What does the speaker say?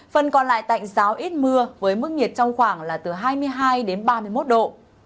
phần còn lại tạnh giáo ít mưa với mức nhiệt trong khoảng là từ hai mươi hai đến ba mươi một độ